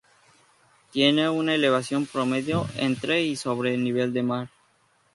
Tiene una elevación promedio entre y sobre el nivel del mar.